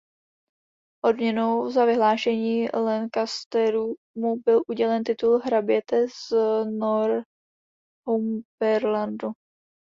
Odměnou za vyhnání Lancasterů mu byl udělen titul hraběte z Northumberlandu.